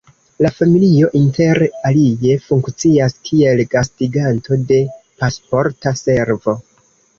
La familio inter alie funkcias kiel gastiganto de Pasporta Servo.